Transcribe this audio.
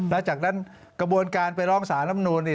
แล้วจากนั้นกระบวนการไปลองศาลรัฐธรรมนุน